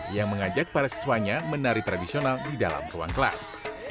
yang mengajak para siswanya menari tradisional di dalam ruang kelas